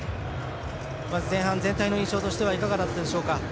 前半、全体の印象としてはいかがだったでしょうか？